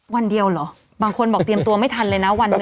วันเดียวเหรอบางคนบอกเตรียมตัวไม่ทันเลยนะวันหนึ่ง